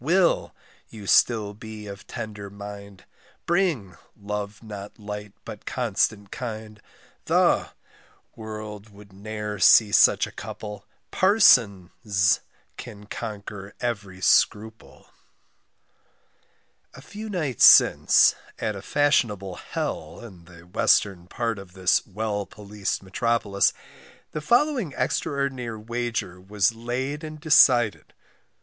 =Will= you be still of tender mind; =Bring= love not light, but constant kind, =The= world would ne'er see such a couple; =Parson= 's can conquer every scruple, A few nights since, at a fashionable hell in the western part of this well policed metropolis, the following extraordinary wager was laid and decided.